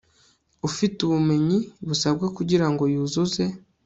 ufite ubumenyi busabwa kugira ngo yuzuze